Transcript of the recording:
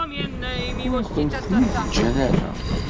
Ur akent-ten-id-ǧǧan ara.